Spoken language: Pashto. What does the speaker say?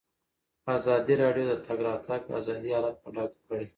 ازادي راډیو د د تګ راتګ ازادي حالت په ډاګه کړی.